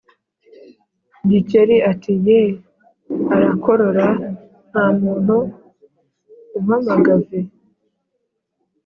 Gikeli ati :» yee! Arakorora. Nta muntu umpamagave ?